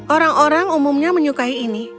orang orang umumnya menyukai ini